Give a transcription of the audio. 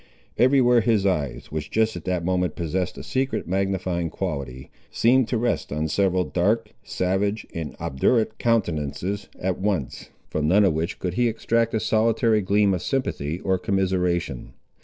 Every where his eyes, which just at that moment possessed a secret magnifying quality, seemed to rest on several dark, savage, and obdurate countenances at once, from none of which could he extract a solitary gleam of sympathy or commiseration.